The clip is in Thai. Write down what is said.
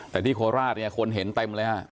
แต่ที่โคราชเนี่ยคนเห็นเต็มเลยฮะ